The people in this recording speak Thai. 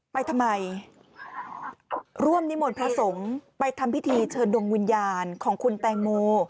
ไปทำไมร่วมนิมนต์พระสงฆ์ไปทำพิธีเชิญดวงวิญญาณของคุณแตงโม